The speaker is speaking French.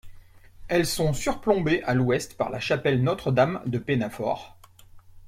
Elles sont surplombées à l'ouest par la chapelle Notre-Dame de Pennafort.